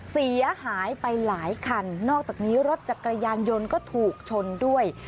เสียหายไปหลายคันนอกจากนี้รถจักรยานยนต์ก็ถูกชนด้วย